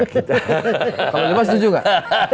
kalau lima setuju nggak